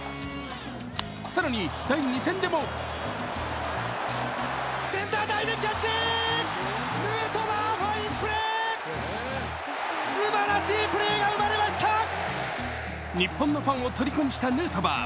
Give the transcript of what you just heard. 更に第２戦でも日本のファンをとりこにしたヌートバー。